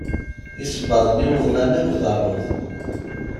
Isebbaḍen-iw ḍlan akk d aluḍ.